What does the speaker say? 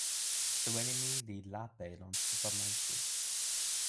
soweli mi li lape lon supa monsi.